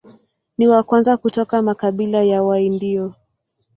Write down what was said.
Ni wa kwanza kutoka makabila ya Waindio.